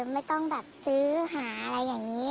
ไม่ต้องแบบซื้อหาอะไรอย่างนี้